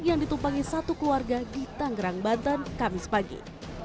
yang ditumpangi satu keluarga di tangerang banten kamis pagi